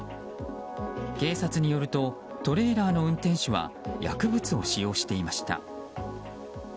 警察によるとトレーラーの運転手は薬物を使用していました。